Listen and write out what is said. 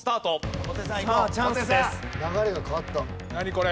これ。